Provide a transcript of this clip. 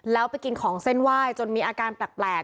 แล้วไปกินของเส้นไหว้จนมีอาการแปลก